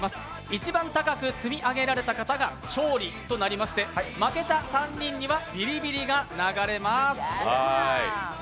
一番高く積み上げられた方が勝利となりまして、負けた３人には、ビリビリが流れまーす。